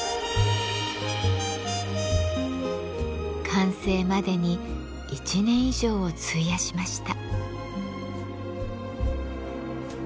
完成までに１年以上を費やしました。